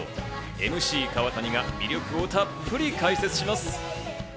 ＭＣ・川谷が魅力をたっぷり解説します。